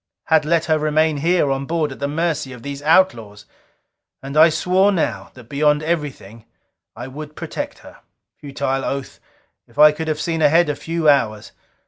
Had let her remain here on board at the mercy of these outlaws. And I swore now, that beyond everything, I would protect her. Futile oath! If I could have seen ahead a few hours!